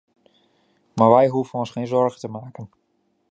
Maar wij hoeven ons geen zorgen te maken.